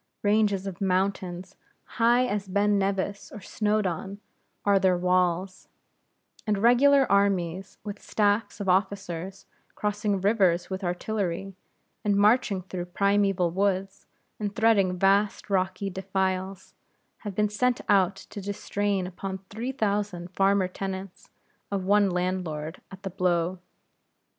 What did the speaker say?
Ranges of mountains, high as Ben Nevis or Snowdon, are their walls; and regular armies, with staffs of officers, crossing rivers with artillery, and marching through primeval woods, and threading vast rocky defiles, have been sent out to distrain upon three thousand farmer tenants of one landlord, at a blow.